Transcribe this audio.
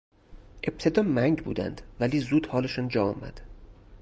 ابتدا منگ بودند ولی زود حالشان جا آمد.